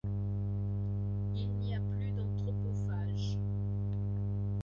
Il n’y a plus d’anthropophages !